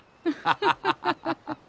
ハハハハハ。